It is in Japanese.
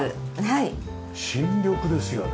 新緑ですよね。